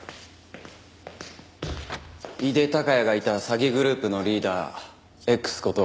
井手孝也がいた詐欺グループのリーダーＸこと